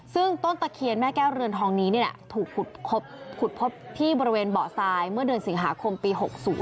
ซึ่งต้นตะเคียนแม่แก้วเรือนทองนี้ถูกขุดพบที่บริเวณเบาะทรายเมื่อเดือนสิงหาคมปี๖๐